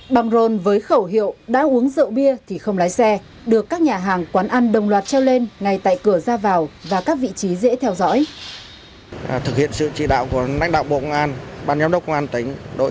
băng rôn với khẩu hiệu đã uống rượu bia thì không lái xe được các nhà hàng quán ăn đồng loạt treo lên ngay tại cửa ra vào và các vị trí dễ theo dõi